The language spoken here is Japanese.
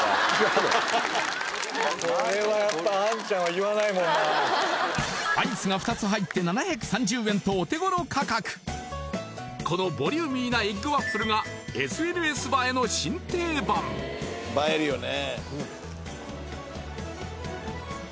これはやっぱアイスが２つ入って７３０円とお手頃価格このボリューミーなエッグワッフルが映えるよね